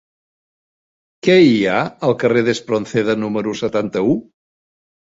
Què hi ha al carrer d'Espronceda número setanta-u?